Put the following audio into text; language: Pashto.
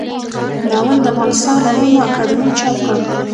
ناول د افغانستان علومو اکاډمۍ چاپ کړ.